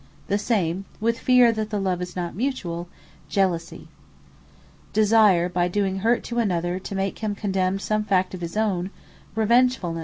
The same, with fear that the love is not mutuall, JEALOUSIE. Revengefulnesse Desire, by doing hurt to another, to make him condemn some fact of his own, REVENGEFULNESSE.